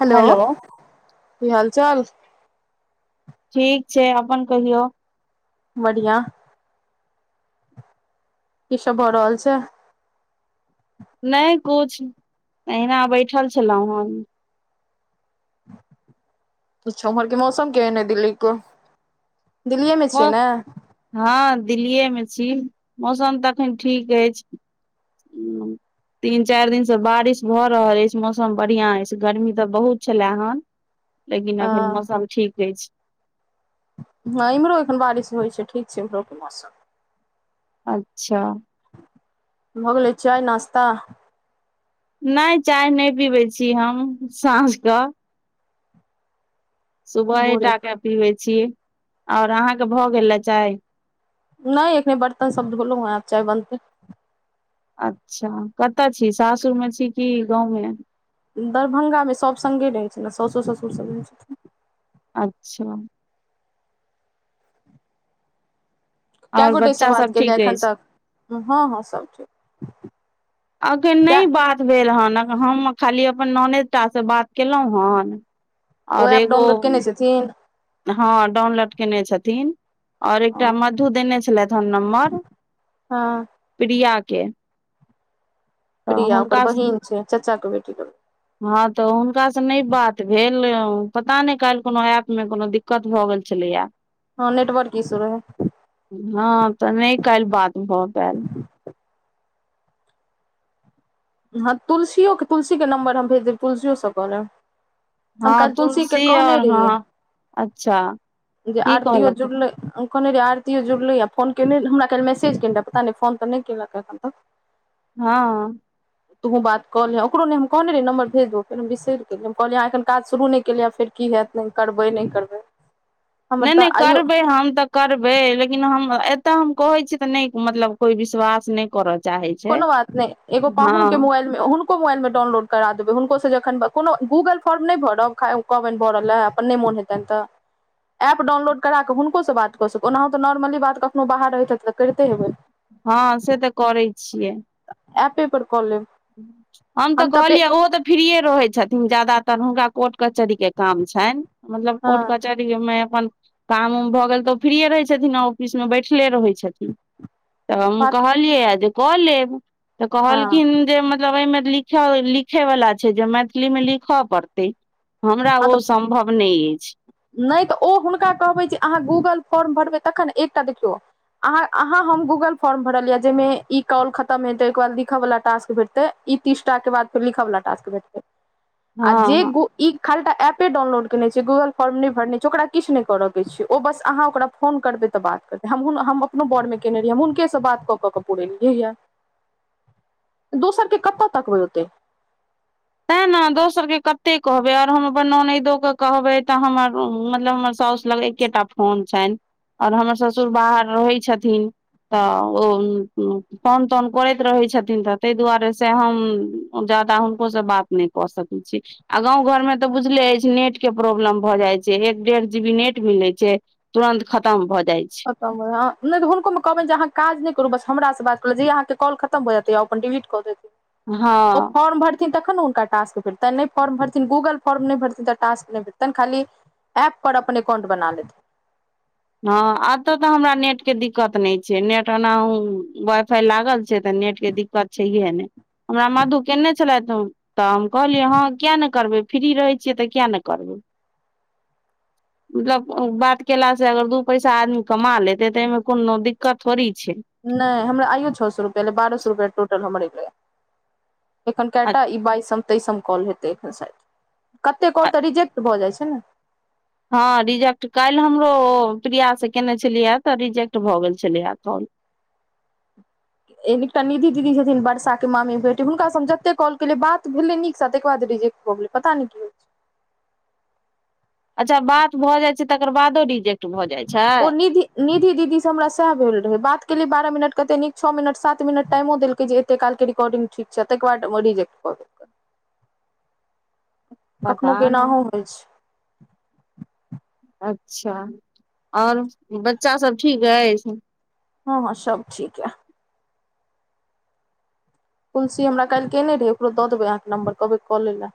Hello की हाल चाल ठीक छै अपन कहियौ बढ़िया की सब भऽ रहल छै नहि कुछ अहिना बैठल छलहुँ हन किछ उम्हरके मौसम केहन दिल्ली को दिल्लीए मे छियै मौ- ने हँ दिल्लीे मे छी मौसम तऽ अखन ठीक अछि उम्म, [inaudible] तीन चारि दिन से बारिश भऽ रहल अछि मौसम बढ़िया अछि गर्मी तऽ बहुत छले आहन [inaudible] लेकिन अखन हँ मौसम ठीक अछि ह इमहरो एखन बारिश होइ छै ठीक छै एमहरोके के मौसम अच्छा भऽ गेलै चाय नाश्ता नहि चाय नहि पीबैत छी हम साँझक सुबहे भोरे टा के पीबै छी ओर अहाँके भऽ गेल चाय नहि एखने बर्तन सब धोलू हैं आब चाय बनते अच्छा कतऽ छी सासुरमे छी कि गाँवमे दरभंगामे सभ संगे रहै छै ने सउस ससुर सभ रहै छथिन अच्छा कए और गोटेसँ बच्चा बात सब केलियै ठीक एखन अछि तक हँ हँ सभ ठीक एखन क्या नहि बात भेल हेन हम खाली अपन नानेद टासँ बात केलहुँ हन आर एगो जी हँ डाउनलोड केने छथिन ओर एकटा मधु देने छलथ हेन नम्बर हँ प्रिया के तऽ प्रिया हुनका ओकर बहिन छै चाचा के बेटी के हँ तऽ हुनका से नहि बात भेल पता नहि काल कोनो ऐप मे कोनो दिक्क कत भऽ गेल छलैया हँ नेटवर्क इसू रहै हँ तऽ नहि काल्हि बात भऽ पेयल हँ तुलसियोे तुलसीके नम्बर हम भेज देब तुलसियोसँ कऽलेब हम हँ काल्ह तुलसी के कहने और रहियै हँ अच्छा जे की आरतीयो कहलक जुड़लै कहने रहि आरतीयो जुड़लैएँ फोन कयने हमरा काल मैसेज केने रह पता नहि फोन तऽ नहि केलक एखन तक हाँ तुहु बात कहले ओकरो नहि हम कहने रहि नम्बर भेज देब फे हम बिसरि केलियै कहलियै एखन काज शुरू नहि केलियै फेर की हेत नहि करबै नहि करबै हमर नइ तऽ नइ आइयो करबै हम तऽ करबै लेकिन हम एतअ हम कहै छीयै तऽ नहि मतलब कोई विश्वास नहि करत कोनो बात नहि एगो पाहुन के मोबाइल मे हुन को मोबाइल मे डाउनलोड करा देबै हुनको से जखन कोनो गूगल फॉर्म नहि भरब कहबैन भरैल अपन नइ मोन हेत हेतैन तऽ एप डाउनलोड करा कऽ हुनकोसँ बातऽ सकू ओना तऽ नॉर्मली बात कखनो बाहर रहिते तऽ करिते हेबै हँ से तऽ करै छियै एपे पर कऽ लेब हम तऽ कहलियै ओहो तऽ फ्रीये रहै छथिन ज्यादातर हुनका कोर्ट कचहरी के काम छैन मतलब कोर्ट हँ कच मे अपन काम उम भऽ गेल तऽ ओ फ्रीये रहै छथिन ऑफिस मे बैठले रहै छै छथि तऽ बात कहलिए हन जे कऽ लेब तऽ हँ कहलखिन जे मतलब एहिमे लिखे वला छै जे मैथिली मे लिखअ पड़तै हमरा ओ सम्भव नइ अछि नइ तऽ ओ हुनका कहबै जे अहाँ गूगल फॉर्म भरबै तखन एकटा देखियौ आहाँ आहाँ हम गूगल फोर्म भरलिया जेहिमे ई कॉल खतम हेते ओके बाद लिखय वाल टास्क भेट तऽ ई तीसटा के बाद फेर लिखावला टाक्स भेटतै आ हँ जे हँ गु ई खालटा एपे डाउनलोड कने छै गूगल फॉर्म नहि भरने छै ओकरा किछ नहि करके छै ओ बस अहाँ ओकरा फोन करबै तऽ बात करतै हमहु हम अपनो बरमे कयने रहि हम हुनकेसँ बात कऽ कऽ के पुरेलियै यै दोसर कऽ केतअ तकबै ओते तेँ ने दोसरके कते कहबै आओर हम अपन ननैदोे कहबै तऽ हमर मतलब हमर साउस लगै एकेटा फोन छैन आओर हमर ससुर बाहर रहै छथिन तऽ ओ फोन तौन करैत रहैत छथिन तऽ ताहि दुआरे से हम जादा हुनको सँ बात नहि कऽ सकै छी आ गाँव घर में तऽ बुझले अछि नेट के प्रॉब्लम भऽ जाइ छै एक डेढ़ जी बी नेट मिलै छै तुरन्त खत्म भऽ जाइत छै तऽ हुनकोमे कहबनि जे अहाँ काज नहि करू बस हमरासँ बात करल जे अहाँके कॉल खतम भऽ जेतै य अपन डिलीट कऽ देबै ओ हँ फर्म भरि तखन ने हनका टास्क भेटतनि नहि फॉर्म भरथिन गूग फॉर्म नई भरथिन तऽ टास्क नइ भेटतैन खाली एप पर अपन एककाउंट बना लेतै हँ एतऽ तऽ हमरा नेट के दिक्कत नइ छै नेट एनाहुँ वाई फाई लागल छै तऽ नेट के दिक्क दिकक छहिये नइ हमरा मधु केने छलैथ तऽ हम कहलियै हँ किया नइ करबै फ्री रहै छियै तऽ किया ने करबै मतलब बात केला सँ अगर दू पैसा आदमी कमा लेतै तऽ एहिमे कोनो दिक्कत थोड़ी छै नहि हमरा आइयो छ सौ रुपया एलै बारह सौ रुपैया टोटल हमर एलै एखन कएटा ई बाइसम तेइसम कॉल हेतै एखन सायद कते कॉल तऽ रिजेक्ट भऽ जाइ छै नऽ हँ रिजेक्ट काल्हि हमरो ओ प्रियासँ केयने छलिय हे तऽ रिजेक्ट भऽ गेल छलै हे कॉल ए एकटा निधि दीदी छथिन वर्षाके मामी बेटी हुनकासँ हम जतेक कॉल केलियै बात भेलै नीकसँ ताकर बाद रीजेक्ट भऽ गेल पता नइ की होइ छै अच्छा बात भऽ जाइ छै तकर बादो रिजेक्ट भऽ जाइ छै निधी दीदी से हमरा सेह भेल रहै बात केलियै बारह मिनट कते नीक छ मिनट सात मिनट टाइमो देलकै जे एते कालके रिकॉर्डिंग ठीक छै ताहि के बाद रिजेक्ट कऽ देलकै पता कखनो कऽ नहि एनाहुँ होइ छै अच्छा आओर बच्चा सब ठीक अछि हँ हँ सब ठीक य तुलसी हमरा काल्हि केने रहै ओकरो दऽ देबै अहाँके नम्बर कहबै कऽ लैय लऽ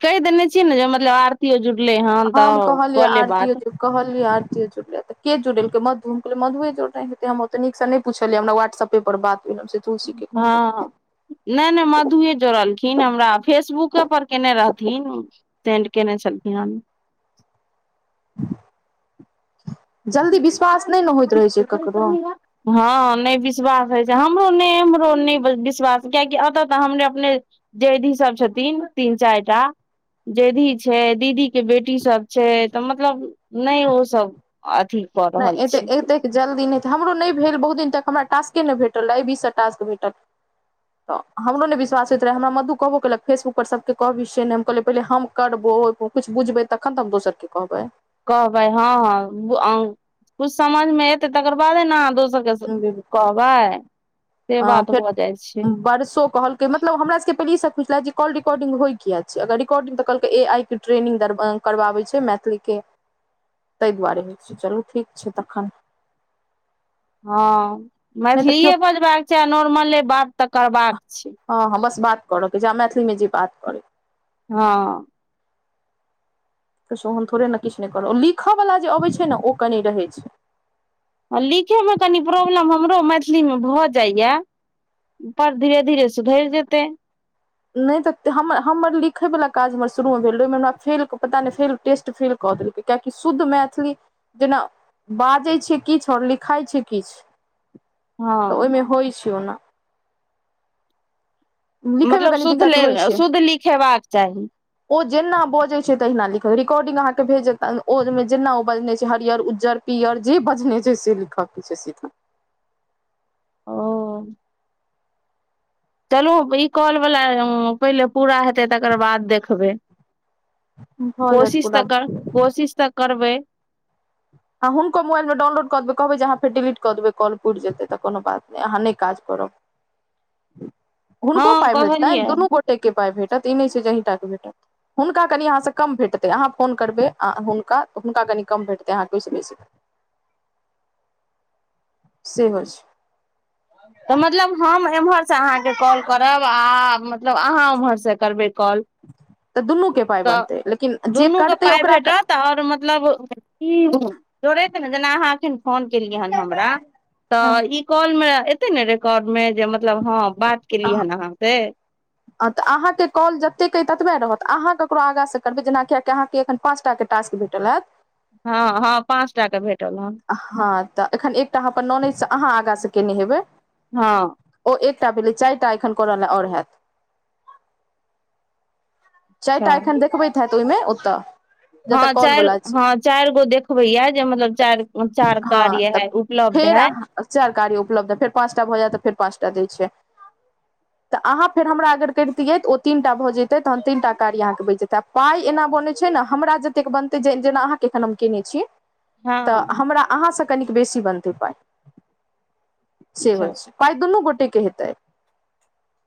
कहि देने छियै ने जे मतलब आरतीयै जुड़लै हन हम तऽ कहलियै कऽ लेब आरतीयो बात जे कहलियै आरतियो जुड़लै तऽ जुड़ेलकै मधु मधुए जुड़ले हेतै हम ओते नीकसँ नइ पुछलियै हमरा वाट्सप पेप पर बात भी हँ नहि नहि मधुए जोड़लखिन हमरा फेसबुके पर केने रहथिन सेंड केने छलखिन हं जल्दी विश्वास नहि ने होइत रहै छै ककरो [unintelligible] हँ नहि विश्वास होइ छै हमरो नहि हमरो नहि विश्वास कीयाकि एतऽ तऽ हमर अपने जैधी सब छथिन तीन चारिटा जेधी छै दीदी के बेटी सब छै तऽ मतलब नहि ओ सब अथी कऽ नहि रहल एते छै एते जल्दी नहि तऽ हमरो नहि भेल बहुत दिन तक हमराटास्के नहि भेटल अहि बीससँ टास्क भेटल तऽ हमरो नहि विश्वास होइत रहै हमरा मधु कहबो केलक फेसबुकप पर सभके कहबि से नहि हम कहलियै पहिले हम करबो किछु बुझबै तखन तऽ हम दोसर के कहबै कहबै हँ हँ कुछ समझमे एतै तकर बादे ने अहाँ दोसर बिलकुल कहबै से बात भऽ जाइ छै बड़सो कहल मतलब हमरा सबके पहिले ई सब खुछ छलथि जे कॉल रिकॉर्डंग होइ किया अगर रिकॉर्डंग तऽलक ए आ ट्रेनिंग करबाबै छै मैथिलीक के ताहि दुआरे होइ छै चलू ठीक छै तखन हँ नहि तऽ केओ मैथिलीए बजबाक छै आ नॉर्मले बात तऽ करबाक छै हँ हँ बस बात करऽके जे आ मैथिलीमे जे बात करै हँ हम थोड़े ने किछु नहि करबहु लिखयवला जे अबैत छै ने ओ कनि रहै छै हँ लिखैमे कनि प्रॉब्लम हमरो मैथिलीमे भऽ जाइए पर धीर धीरे सुधरि जेतै नहि तऽ हम हमर लिखय वला काज हमर शुरू मे भेल रहै ओहिमे हमरा फेलके पता नहि फ टेस्ट फेल कौपि कियाकी कि शुद्ध मैथिली जेना बाजै छै किछु आओर लिखाइ छै किछु तऽ हँ ओहिमे होइ छै ओ ने लिखयमे मतलब कनी दिक्कत होइ शुद्ध छै शुद्ध लिखेबाक चाही ओ जेना बजैत छै तहिना लिखत रिकॉर्डिंग अहाँकेँ भेज देतता ओहिमे जेना ओ बजने छै हरियर उज्जर पीअर जे बजने छै से लिखऽके छै सीधा ओ [inaudible] चलू ई कॉल वाला पहिले पूरा हेतै तकर बाद देखबै भऽ जायत कोशिश पूरा तऽ कर कोशिश तऽ करबै आब हुनको मोबाइलमे डाउनलोड क देब कहबै जे अहाँ फेर डिलीटऽ देब कॉल पूरि जेतै तऽ कोनो बाछ नै अहाँ नहि काज करब हँ हुनको पाय भेटतैन कहलियै दुनू गोट के पाय भेटत ई नहि छै जे अहिंटाके भेटत हुनका कनि अहाँ से कम भेटतेै अहाँ फोन करबनि आ हुनका हुनका कनी कम भेटतै कि सु नहि सेहो छै तऽ मतलब हम एम्हर से अहाँके कॉल करब आ मतलब अहाँ ओम्हर से करबै काॅल तऽ दुनूके पाइ तऽ बनतै लेकिन जे दुनूके करतै पाय ओकरा भेटत त आओर मतलब की जोड़ेत ने जेना अहाँ एखन फोन केलियै हन हमरा तऽ हँ ई कॉल मे एतै ने रेकौडमे जे म मतलब हँ बात केलिय हन अहाँ से तऽ अहाँकेँ कॉल जतेक अइ ततबे रहत अहाँ ककरो आगाँसँ करबै जेनाकि यकि अहाँकेँ एखन पाँच टा के टास्क भेटल हैत हँ हँ पाँचटा के भेटल हँ हँ तऽ एखन एकटा अहाँ अपन नॉलेजसँ आगाँ से केयने हेबै? हँ ओ एकटा पीएचडी चारि टा एखन करलए आओर हेत? चारि टा अच्छा एखन देखबै, तऽ ओहिमे ओतऽ। जतऽ हँ, कॉल चारि वला छै हँ, चारि गो देखबै यऽ, मतलब जे चारि हँ तऽ कार उपलब्ध फेर अछि। अहाँ चारि कार उपलब्ध अछि, फेर पाँचटा भऽ जायत तऽ पाँचटा दै छै। तऽ अहाँ फेर हमरा अगर करितियै, तऽ ओ तीनटा भऽ जेतै तहन। तीनटा काज अहाँके बचि जेतै आ पाय एना बनैत छै ने, हमरा जतेक बनतै, जेना अहाँके एखन हम केने छी। तऽ हँ हमरा अहाँसँ कनिक बेसी बनतै पाइ से होइ अच्छा छै पाय दुनू गोटेके हेतै।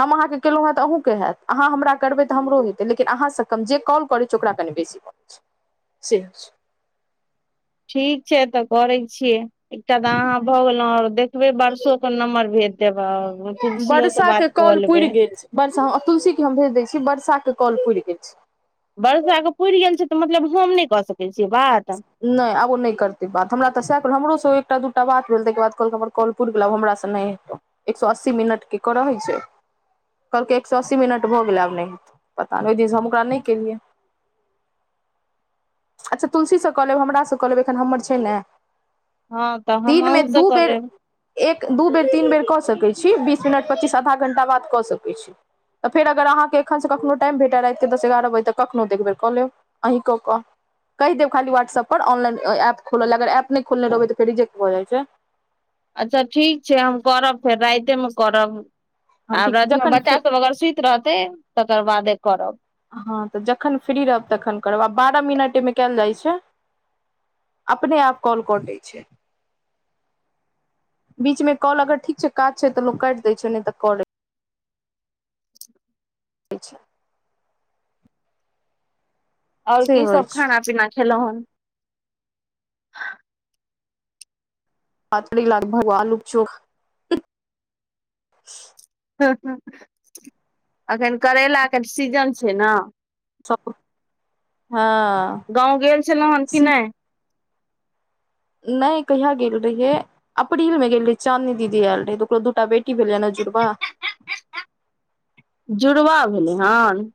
हम अहाँके केलहुँ हेत, अहूँके हेत। अहाँ हमरा करबै। हमरो हेतै, लेकिन अहाँसँ कम। जे काज करैत छै, ओकर कनि बेसी बनैत छै, से होइत छै। ठीक छै तऽ करै छियै। एकटा तऽ अहाँ भऽ गेलहुँ, आओर देखबऽ वर्षसो नम्बर भेजि देब, तुलसीयोसँ बात। क लेबै बर्षा तुलसी के हम भेज देय छी बर्षा के काॅल पुर गेल छै वर्षा के पुरि गेल छै। तऽ मतलब हम नहि कऽ सकैत छियै बात नहि आबो नहि करतै बात हमरा तऽ सएह हमरो से एकटा दूटा बात भेल ताहिके बादल हमर कॉल पूरे हमरासँ नहि हेतौ, एक सए अस्सी मिनटके कऽ रहै छै। कहलके एक सए अस्सी मिनट भऽ गेलै। आब नहि पता, ओहि दिनसँ हम ओकरा नहि केलियै। अच्छा तुलसीसँ कऽ लेब, हमरासँ कऽ लेब। एखन हमर छै ने, हँ तऽ हम दिनमे अहूँ से दू कऽ बेर। लेब एक दू बेर, तीन बेर कऽ सकैत छी। बीस मिनट, पच्चीस मिनट, आधा घण्टा बाद कऽ सकैत छी। तऽ फेर अगर अहाँके एखनसँ कखनो टाइम भेटय, राति एगारह बजे कखनो, तऽ एक बेर कऽ लेब। अहि कऽ क कहि देब, खाली व्हाट्सऐप पर ऑनलाइन एप खोलने रहबै। अगर एप नहि खोलने रहबै तऽ फेर रिजेक्ट भऽ जाइ छै। अच्छा ठीक छै। हम करब फेर रातिे मे करब हँ ठीक आब रातिमे जखन बच्चा फेर सभ अगर सुति रहतै तकर बादे करब। हँ तऽ जखन फ्री रहब तखन करब आब बारह मिनट एमे कयल जाइ छै। अपने आप कॉल कटै छै। बीच मे काॅल अगर ठीक छै काज छै तऽ लो काटि दे छै ने तऽ कलै अच्छा आओर से की होइ सभ खाना पीना खेलहुं हन पातली लागभग [unintelligible] आलूक चोखा एखन करैलाके सीजन छै ना सब हँ गाँव गेल छलहुँ हन की सिम नहि? नहि कहिया गेल रहियै अप्रैलमे गेल रहियै, चाँदनी दीदी एलआर रहै। ओकरो दुइटा बेटी भेलै, नहि जुड़वा। जुड़वा भेलै हन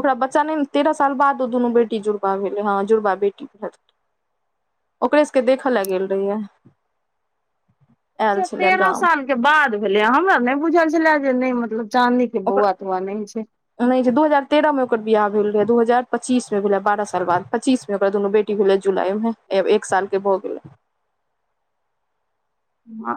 ओकरा बच्चा नहि भेलै ने, तेरह साल बाद ओ दुनू बेटी भेलै। हँ, जुड़वा बेटी भेलै। ओकरे सभके देखऽ ले गेल रहियै आयल छलै तेरह गाम सालके बाद भेलै। हमरा नहि बुझल छलै जे, मतलब चाँदनीक। ओकर बउआ तउआ नहि छै नहि, दू हजार तेह्रमे ओकर बियाह भेल रहै आ दू हजार पच्चीसमे बच्चा भेलै, बारह साल बाद, पच्चीसमे। ओकरा दुनू बेटी भेलै, जुलाईमे एक सालके भऽ गेलै।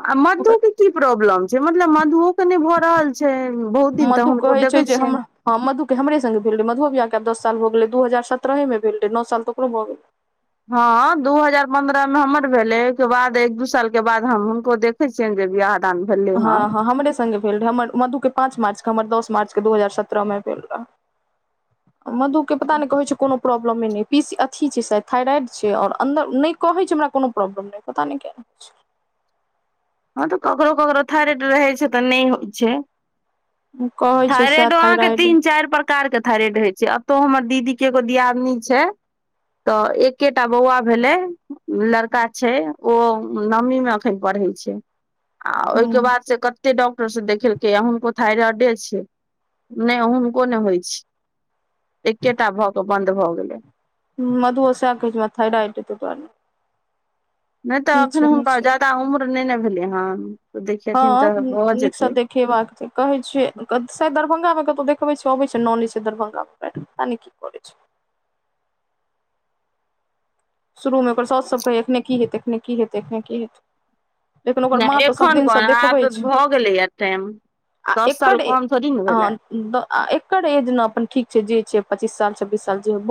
आ ओकर मधुके की प्रॉब्लम छै? मतलब, मधुओके नहि भऽ रहल छै, बहुत दिनसँ मधु तऽ। कहै छै देखै जे हम छियनि हँ, मधुके हमरे सङ्गे भेल रहै। मधुक बियाहके आब दस साल भऽ गेलै, दू हजार सत्रहमे भेल रहै। नौ साल तऽ ओकरो भऽ गेलै। हँ, दू हजार पन्द्रहमे हमर भेलै। ओहिके बाद एक दू सालके बाद हम हुनको देखैत छियनि जे बियाह भेल। हँ हँ, हमरे सङ्गे भेल रहै। मधुके पाँच मार्चके आ हमर दस मार्चके दू हजार सत्रहमे भेल रहै। मधुके पता नहि, कहैत छै कोनो। प्रॉब्लम नहि, पीसीओएस अथी छै, थाइराइड छै। आओर अन्दर नहि कहैत छै, हमरा कोनो प्रॉब्लम नहि पता नहि। अच्छा हँ तऽ ककरो ककरो थारेड रहै छै तऽ नहि होइ छै कहै छै सएह थाइरेडो अहाँ के थाइराइड तीन चार प्रका कार के थाइरेड रहे छै अब तो हमर दीदी के एगो दियादनी छै तऽ एकेटा बौआ भेलै लड़का छै ओ नवमी मे अखन पढ़ै छै आ हूँ ओहिके बाद से कते डॉक्टरसँ देखेलकैए हुनको थइराइडे छै नहि हुनको ने होइ छै एकेटा भऽ कऽ बन्द भऽ गेलै ह मधुओ सेहे कहइ छै ओकरा थाइराइड हेतै तोरमे नहि तऽ अखन नहि हुनका छै जादा उम्र नहि ने भेलियै हन देखेथिन तऽ भऽ जेतै खेबाक छै कहे छियै शायद दरभंगा मे कतौ देखबे छै अबे छै ननैद छै दरभंगा मे पता नै की कर छै शुरूमे ओकर साथ सब कहै एखने की हेतै एखने की हेतै एखने की हेतै लेकिन ओकर माँ नहि तऽ एखन सबदिनसँ कोन देखबै आब छै भऽ गेलैए टाइम आ दस एकर साल ए कम थोड़ी ने भेलै ह एकर एज ने अपन ठीक छै जे छै पच्चीस साल छब्बीस साल जे छै